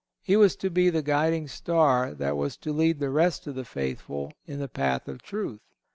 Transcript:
He was to be the guiding star that was to lead the rest of the faithful in the path of truth.